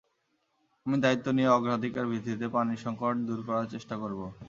আমি দায়িত্ব নিয়ে অগ্রাধিকার ভিত্তিতে পানির সংকট দূর করার চেষ্টা করব।